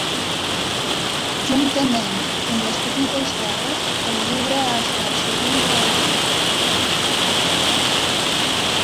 Juntament amb Les petites guerres, el llibre ha estat sovint reimprès.